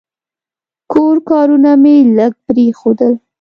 کور کارونه مې لږ پرېښودل.